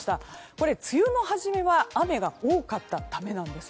これ、梅雨の初めは雨が多かったためなんです。